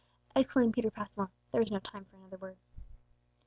exclaimed Peter Passmore; there was no time for another word.